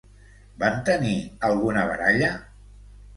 Van tenir alguna baralla?